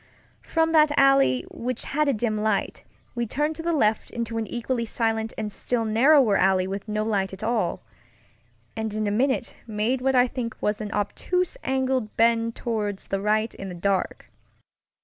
From that alley, which had a dim light, we turned to the left into an equally silent and still narrower alley with no light at all; and in a minute made what I think was an obtuse angled bend toward the right in the dark.